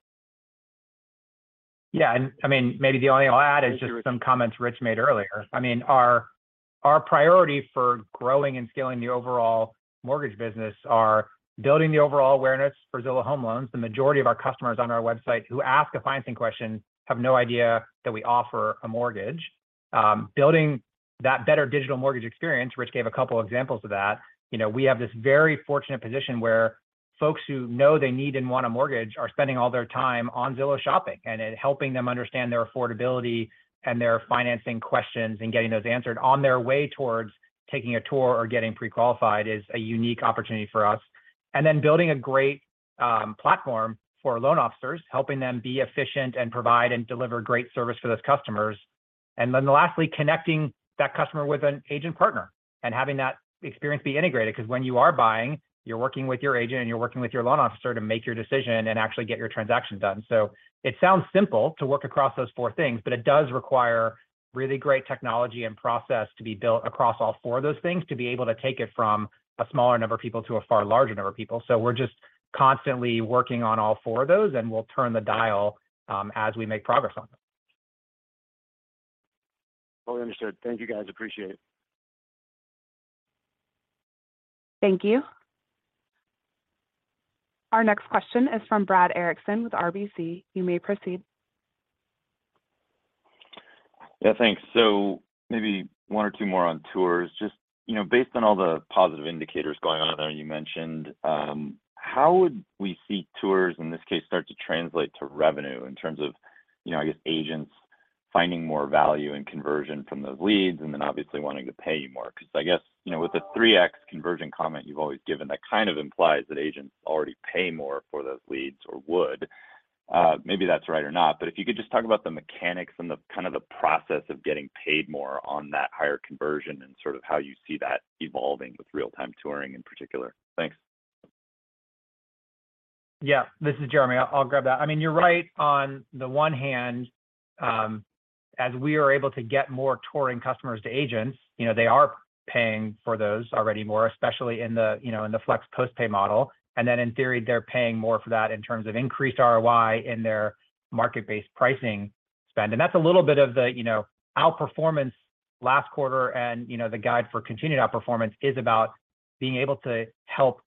I mean, maybe the only thing I'll add is just some comments Rich made earlier. I mean, our priority for growing and scaling the overall mortgage business are building the overall awareness for Zillow Home Loans. The majority of our customers on our website who ask a financing question have no idea that we offer a mortgage. Building that better digital mortgage experience, Rich gave a couple examples of that. We have this very fortunate position where folks who know they need and want a mortgage are spending all their time on Zillow shopping, and helping them understand their affordability and their financing questions and getting those answered on their way towards taking a tour or getting pre-qualified is a unique opportunity for us. Building a great platform for loan officers, helping them be efficient and provide and deliver great service for those customers. Lastly, connecting that customer with an agent partner and having that experience be integrated. 'Cause when you are buying, you're working with your agent, and you're working with your loan officer to make your decision and actually get your transaction done. It sounds simple to work across those four things, but it does require really great technology and process to be built across all four of those things to be able to take it from a smaller number of people to a far larger number of people. We're just constantly working on all four of those, and we'll turn the dial as we make progress on them. Totally understood. Thank you, guys. Appreciate it. Thank you. Our next question is from Brad Erickson with RBC. You may proceed. Yeah, thanks. Maybe one or two more on tours. just, based on all the positive indicators going on I know you mentioned, how would we see tours in this case start to translate to revenue in terms of, I guess agents finding more value in conversion from those leads and then obviously wanting to pay you more? I guess, with the 3x conversion comment you've always given, that kind of implies that agents already pay more for those leads or would. Maybe that's right or not, if you could just talk about the mechanics and the kind of the process of getting paid more on that higher conversion and sort of how you see that evolving with real-time touring in particular. Thanks. Yeah. This is Jeremy. I'll grab that. I mean, you're right. On the one hand, as we are able to get more touring customers to agents, they are paying for those already more, especially in the, in the Flex post-pay model. Then in theory, they're paying more for that in terms of increased ROI in their market-based pricing spend. That's a little bit of the, outperformance last quarter. The guide for continued outperformance is about being able to help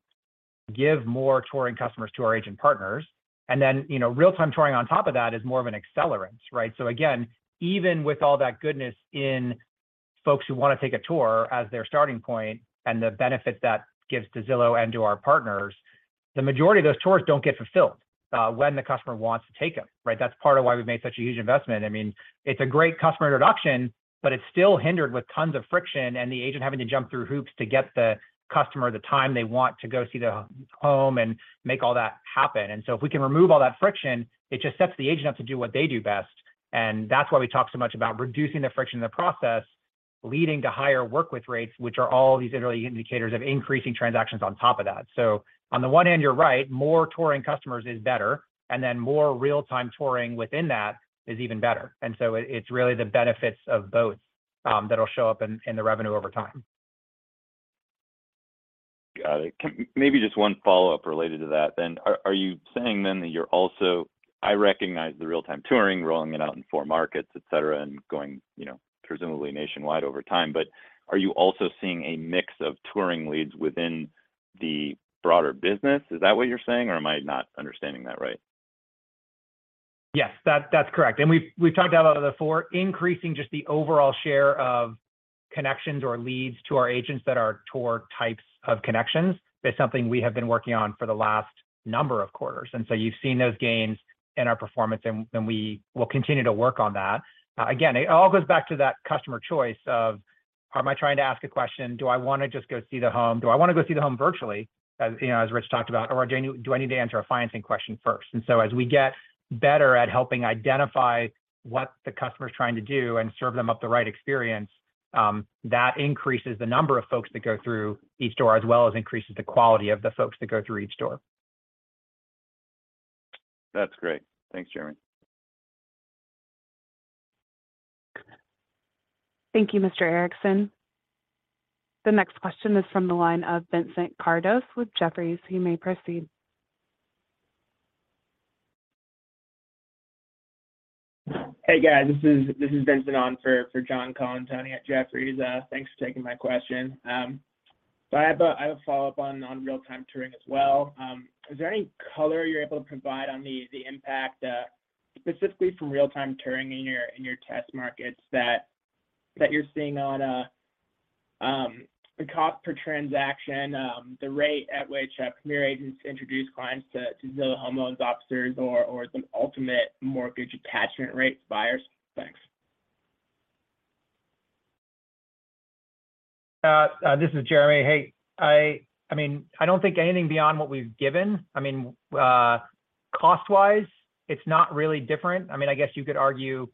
give more touring customers to our agent partners. then, real-time touring on top of that is more of an accelerant, right? Again, even with all that goodness in folks who wanna take a tour as their starting point and the benefit that gives to Zillow and to our partners, the majority of those tours don't get fulfilled, when the customer wants to take them, right? That's part of why we've made such a huge investment. I mean, it's a great customer introduction, but it's still hindered with tons of friction and the agent having to jump through hoops to get the customer the time they want to go see the home and make all that happen. If we can remove all that friction, it just sets the agent up to do what they do best. That's why we talk so much about reducing the friction in the process, leading to higher work with rates, which are all these early indicators of increasing transactions on top of that. On the one hand, you're right, more touring customers is better, and then more real-time touring within that is even better. It's really the benefits of both that'll show up in the revenue over time. Got it. Maybe just one follow-up related to that then. Are you saying then that you're also, I recognize the real-time touring, rolling it out in four markets, et cetera, and going, presumably nationwide over time. Are you also seeing a mix of touring leads within the broader business? Is that what you're saying, or am I not understanding that right? Yes. That's correct. We've talked about the four increasing just the overall share of connections or leads to our agents that are tour types of connections. It's something we have been working on for the last number of quarters. You've seen those gains in our performance, and we will continue to work on that. Again, it all goes back to that customer choice of, am I trying to ask a question? Do I wanna just go see the home? Do I wanna go see the home virtually, as, as Rich talked about? Or do I need to answer a financing question first? As we get better at helping identify what the customer's trying to do and serve them up the right experience, that increases the number of folks that go through each door as well as increases the quality of the folks that go through each door. That's great. Thanks, Jeremy. Thank you, Mr. Erickson. The next question is from the line of Vincent Kardos with Jefferies. You may proceed. Hey, guys. This is Vincent on for John Colantuoni at Jefferies. Thanks for taking my question. I have a follow-up on real-time touring as well. Is there any color you're able to provide on the impact specifically from real-time touring in your test markets that you're seeing on the cost per transaction, the rate at which our Premier Agents introduce clients to Zillow Home Loans officers or the ultimate mortgage attachment rates buyers? Thanks. This is Jeremy. Hey. I mean, I don't think anything beyond what we've given. I mean, cost-wise it's not really different. I mean, I guess you could argue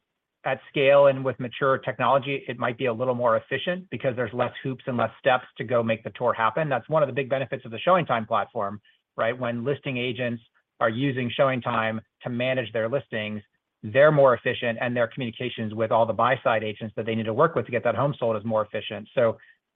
at scale and with mature technology, it might be a little more efficient because there's less hoops and less steps to go make the tour happen. That's one of the big benefits of the ShowingTime platform, right? When listing agents are using ShowingTime to manage their listings, they're more efficient, and their communications with all the buy side agents that they need to work with to get that home sold is more efficient.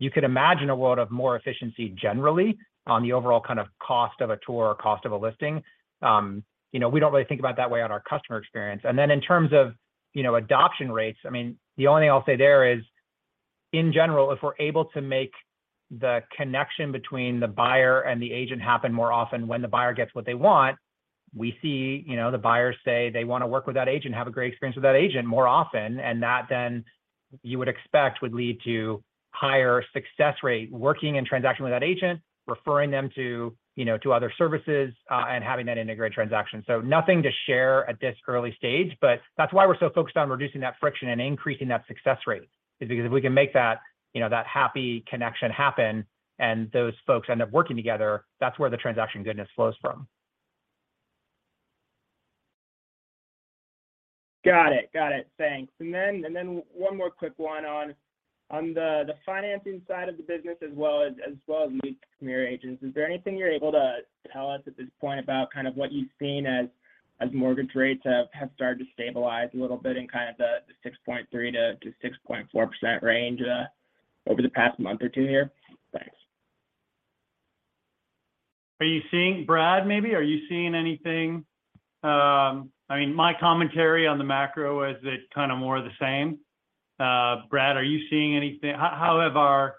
You could imagine a world of more efficiency generally on the overall kind of cost of a tour or cost of a listing., we don't really think about it that way on our customer experience. Then in terms of, adoption rates, I mean, the only thing I'll say there is, in general, if we're able to make the connection between the buyer and the agent happen more often when the buyer gets what they want, we see, the buyers say they wanna work with that agent, have a great experience with that agent more often. That then you would expect would lead to higher success rate working in transaction with that agent, referring them to, to other services, and having that integrated transaction. Nothing to share at this early stage, but that's why we're so focused on reducing that friction and increasing that success rate, is because if we can make that, that happy connection happen and those folks end up working together, that's where the transaction goodness flows from. Thanks. Then one more quick one on the financing side of the business as well as lead to Premier Agents. Is there anything you're able to tell us at this point about kind of what you've seen as mortgage rates have started to stabilize a little bit in kind of the 6.3%-6.4% range over the past month or two here? Thanks. Brad, maybe, are you seeing anything? I mean, my commentary on the macro is it's kinda more the same. Brad, are you seeing anything? How have our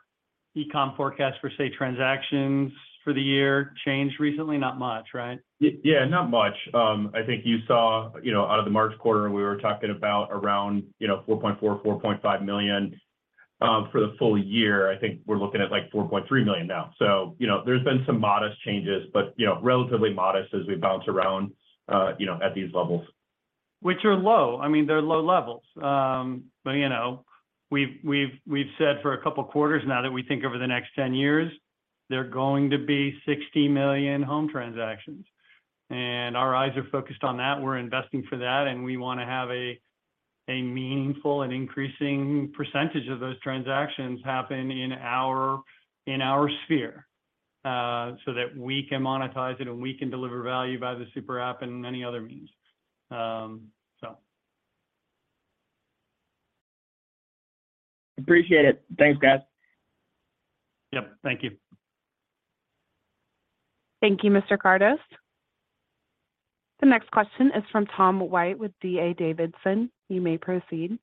e-com forecasts for, say, transactions for the year changed recently? Not much, right? Yeah, not much. I think you saw, out of the March quarter, we were talking about around, $4.4 million-$4.5 million. For the full year I think we're looking at, like, $4.3 million now. There's been some modest changes, but, relatively modest as we bounce around, at these levels. Which are low. I mean, they're low levels. We've said for a couple quarters now that we think over the next 10 years there are going to be 60 million home transactions. Our eyes are focused on that. We're investing for that, and we wanna have. A meaningful and increasing percentage of those transactions happen in our sphere, so that we can monetize it and we can deliver value by the super app and many other means. Appreciate it. Thanks, guys. Yep. Thank you. Thank you, Mr. Kardos. The next question is from Tom White with D.A. Davidson. You may proceed.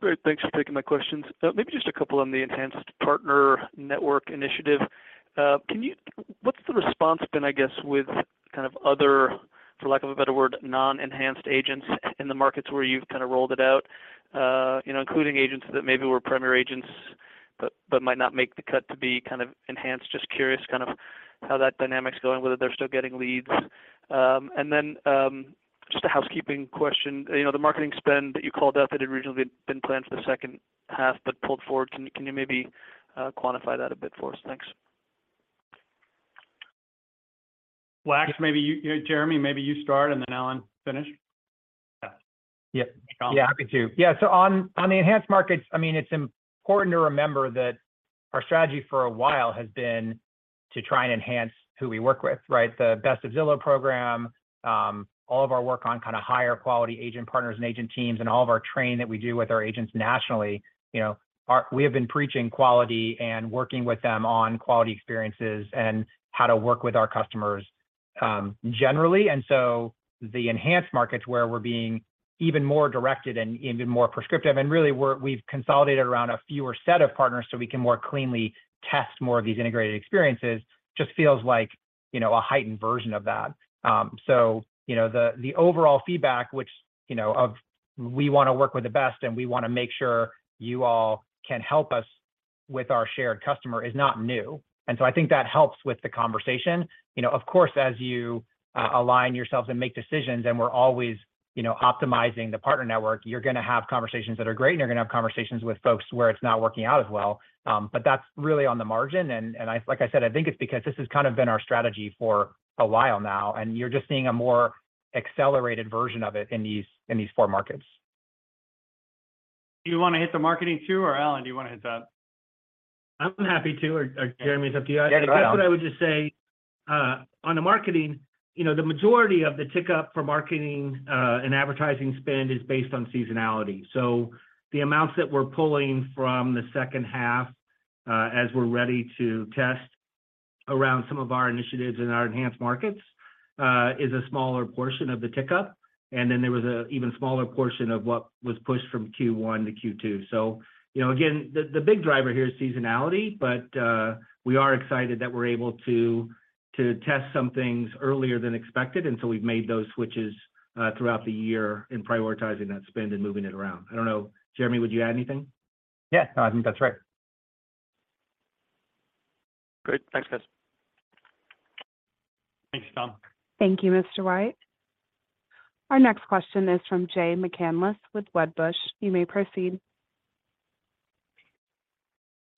Great. Thanks for taking my questions. Maybe just a couple on the Enhanced Partner Network initiative. What's the response been, I guess, with kind of other, for lack of a better word, non-enhanced agents in the markets where you've kinda rolled it out, including agents that maybe were Premier Agents but might not make the cut to be kind of enhanced? Just curious kind of how that dynamic's going, whether they're still getting leads. Then, just a housekeeping question. The marketing spend that you called out that had originally been planned for the second half but pulled forward, can you maybe quantify that a bit for us? Thanks. Wax, Jeremy, maybe you start and then Allen finish. Yeah, happy to. Yeah. On, on the enhanced markets, I mean, it's important to remember that our strategy for a while has been to try and enhance who we work with, right? The Best of Zillow program, all of our work on kinda higher quality agent partners and agent teams and all of our training that we do with our agents nationally, we have been preaching quality and working with them on quality experiences and how to work with our customers, generally. The enhanced markets where we're being even more directed and even more prescriptive, and really we've consolidated around a fewer set of partners so we can more cleanly test more of these integrated experiences, just feels like, a heightened version of that. The overall feedback, which, of we wanna work with the best and we wanna make sure you all can help us with our shared customer is not new. I think that helps with the conversation. As you align yourselves and make decisions, and we're always, optimizing the partner network, you're gonna have conversations that are great, and you're gonna have conversations with folks where it's not working out as well. That's really on the margin. Like I said, I think it's because this has kind of been our strategy for a while now, and you're just seeing a more accelerated version of it in these, in these four markets. Do you wanna hit the marketing too, or Allen, do you wanna hit that? I'm happy to or Jeremy, it's up to you. Yeah, go ahead. I guess what I would just say, on the marketing, the majority of the tick up for marketing, and advertising spend is based on seasonality. The amounts that we're pulling from the second half, as we're ready to test around some of our initiatives in our enhanced markets, is a smaller portion of the tick up. There was an even smaller portion of what was pushed from Q one to Q two. Again, the big driver here is seasonality, but we are excited that we're able to test some things earlier than expected. We've made those switches throughout the year in prioritizing that spend and moving it around. I don't know. Jeremy, would you add anything? Yeah. No, I think that's right. Great. Thanks, guys. Thanks, Tom. Thank you, Mr. White. Our next question is from Jay McCanless with Wedbush. You may proceed.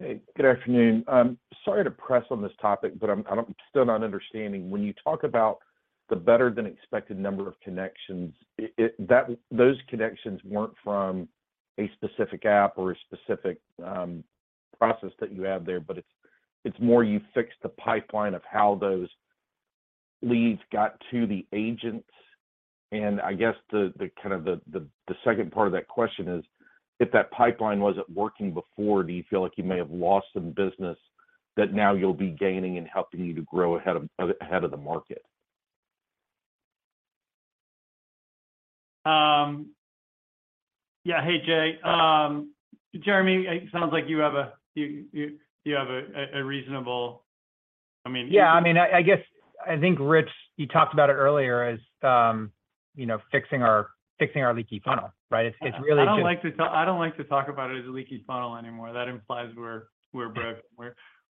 Hey, good afternoon. Sorry to press on this topic, but I'm still not understanding. When you talk about the better than expected number of connections, those connections weren't from a specific app or a specific process that you have there, but it's more you fixed the pipeline of how those leads got to the agents. I guess the kind of the second part of that question is, if that pipeline wasn't working before, do you feel like you may have lost some business that now you'll be gaining and helping you to grow ahead of the market? Yeah. Hey, Jay. Jeremy, it sounds like you have a reasonable... I mean... Yeah. I mean, I guess I think, Rich, you talked about it earlier as, fixing our leaky funnel, right? It's really just. I don't like to talk about it as a leaky funnel anymore. That implies we're broke.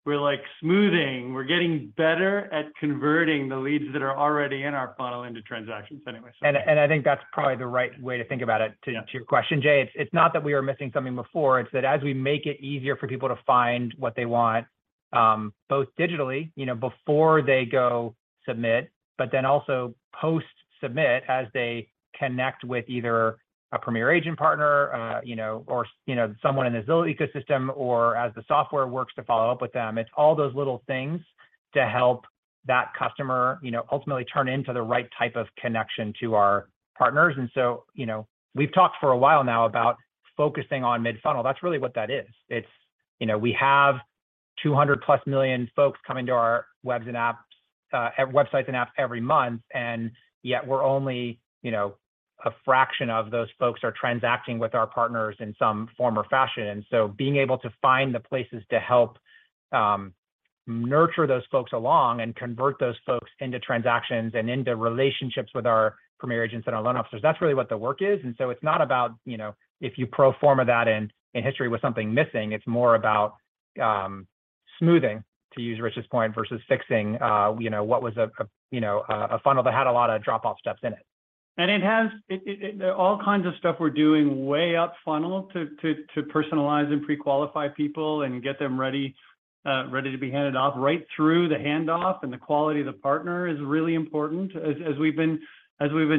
We're, like, smoothing. We're getting better at converting the leads that are already in our funnel into transactions anyway, so. I think that's probably the right way to think about it to your question, Jay. It's not that we were missing something before. It's that as we make it easier for people to find what they want, both digitally, before they go submit, but then also post-submit as they connect with either a Premier Agent partner, or, someone in the Zillow ecosystem or as the software works to follow up with them. It's all those little things to help that customer, ultimately turn into the right type of connection to our partners., we've talked for a while now about focusing on mid-funnel. That's really what that is. We have 200 plus million folks coming to our webs and apps, websites and apps every month, and yet we're only, a fraction of those folks are transacting with our partners in some form or fashion. Being able to find the places to help nurture those folks along and convert those folks into transactions and into relationships with our Premier Agents and our loan officers, that's really what the work is. It's not about, if you pro forma that in history with something missing, it's more about smoothing, to use Rich's point, versus fixing, what was a funnel that had a lot of drop-off steps in it. It has all kinds of stuff we're doing way up funnel to personalize and pre-qualify people and get them ready to be handed off right through the handoff, and the quality of the partner is really important, as we've been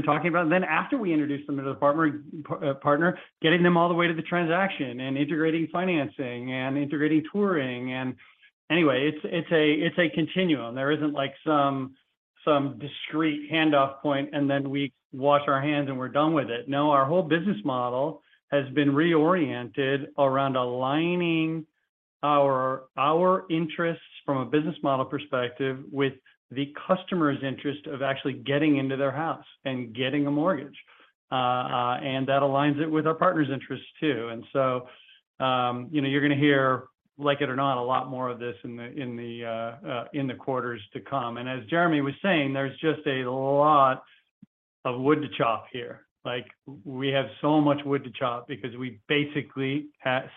talking about. After we introduce them to the partner, getting them all the way to the transaction, and integrating financing, and integrating touring. Anyway, it's a continuum. There isn't like some discrete handoff point, and then we wash our hands and we're done with it. Our whole business model has been reoriented around aligning our interests from a business model perspective with the customer's interest of actually getting into their house and getting a mortgage. That aligns it with our partner's interest too. You're gonna hear, like it or not, a lot more of this in the quarters to come. As Jeremy was saying, there's just a lot of wood to chop here. Like, we have so much wood to chop because we basically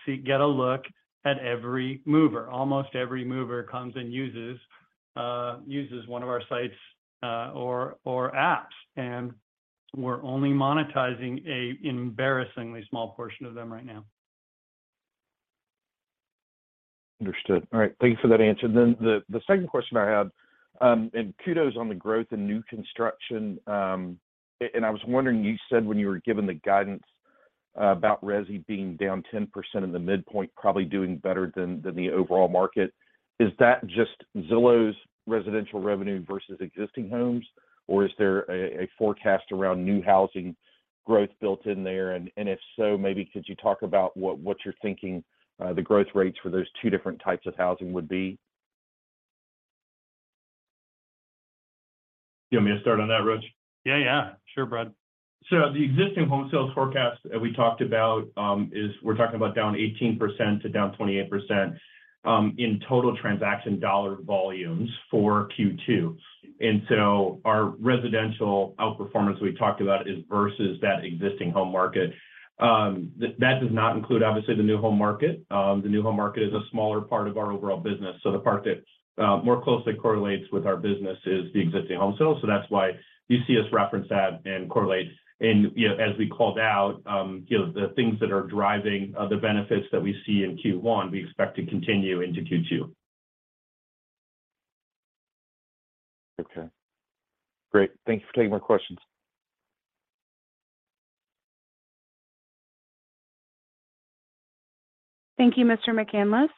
get a look at every mover. Almost every mover comes and uses one of our sites or apps. We're only monetizing a embarrassingly small portion of them right now. Understood. All right. Thank you for that answer. The second question I had, and kudos on the growth in new construction. I was wondering, you said when you were given the guidance about resi being down 10% in the midpoint, probably doing better than the overall market. Is that just Zillow's residential revenue versus existing homes, or is there a forecast around new housing growth built in there? If so, maybe could you talk about what you're thinking, the growth rates for those two different types of housing would be? You want me to start on that, Rich? Yeah, yeah. Sure, Brad. The existing home sales forecast that we talked about, is we're talking about down 18% to down 28% in total transaction dollar volumes for Q2. Our residential outperformance we talked about is versus that existing home market. That does not include, obviously, the new home market. The new home market is a smaller part of our overall business. The part that more closely correlates with our business is the existing home sales, so that's why you see us reference that and correlate., as we called out, the things that are driving other benefits that we see in Q1, we expect to continue into Q2. Okay. Great. Thank you for taking my questions. Thank you, Mr. McCanless.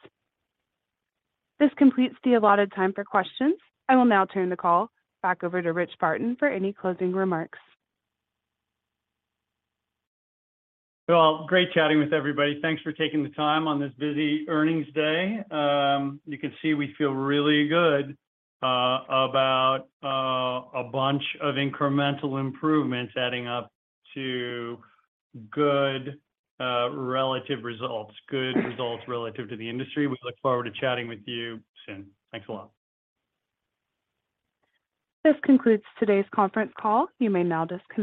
This completes the allotted time for questions. I will now turn the call back over to Rich Barton for any closing remarks. Well, great chatting with everybody. Thanks for taking the time on this busy earnings day. You can see we feel really good about a bunch of incremental improvements adding up to good relative results, good results relative to the industry. We look forward to chatting with you soon. Thanks a lot. This concludes today's conference call. You may now disconnect.